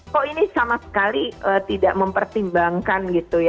kok ini sama sekali tidak mempertimbangkan gitu ya